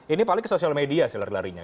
ini paling ke sosial media sih lari larinya